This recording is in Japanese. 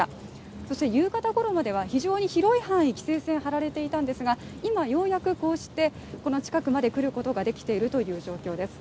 そして夕方頃までは非常に広い範囲規制線貼られていたんですが、今ようやくこうしてこの近くまで来ることができているという状況です。